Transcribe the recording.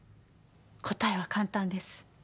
答えは簡単です。